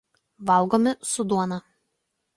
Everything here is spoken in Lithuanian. Valgomi su duona.